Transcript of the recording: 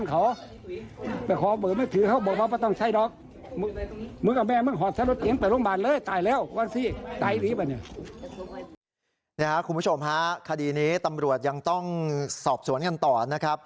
คุณผู้ชมฮะคดีนี้ตำรวจยังต้องสอบสวนกันต่อนะครับ